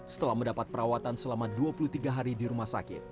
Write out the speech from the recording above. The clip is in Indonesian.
setelah mendapat perawatan selama dua puluh tiga hari di rumah sakit